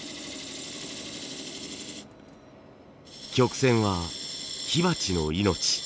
曲線は火鉢の命。